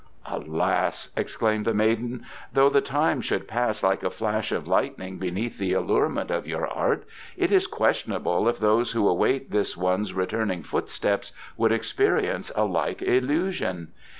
"Alas!" exclaimed the maiden, "though the time should pass like a flash of lightning beneath the allurement of your art, it is questionable if those who await this one's returning footsteps would experience a like illusion.